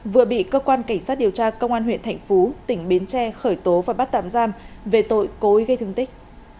vừa bị cơ quan cảnh sát điều tra công an huyện thạnh phú tỉnh bến tre khởi tố và bắt tạm giam về tội cố ý gây thương tích